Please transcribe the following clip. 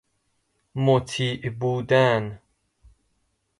مطیع بودن